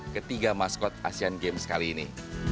ketiga maskot asian games kali ini